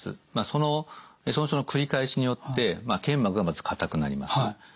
その損傷の繰り返しによって腱膜がまず硬くなります。